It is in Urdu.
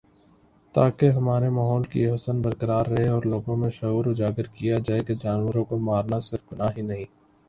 تاکہ ہمارے ماحول کی حسن برقرار رہے اور لوگوں میں شعور اجاگر کیا جائے کہ جانوروں کو مار نا صرف گناہ ہی نہیں